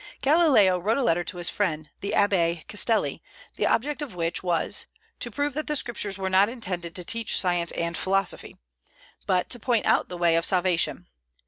Galileo wrote a letter to his friend the Abbé Castelli, the object of which was "to prove that the Scriptures were not intended to teach science and philosophy," but to point out the way of salvation.